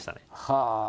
はあ！